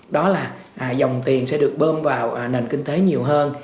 đó là dòng tiền sẽ được bơm vào nền kinh tế nhiều hơn